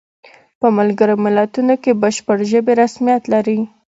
په ملګرو ملتونو کې شپږ ژبې رسمیت لري.